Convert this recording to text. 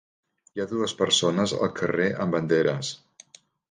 Hi ha dues persones al carrer amb banderes.